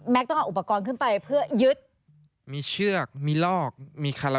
แล้วความเหนื่อยระเนี่ยมันจะมากกว่าเดินปกติตั้งเท่าไหร่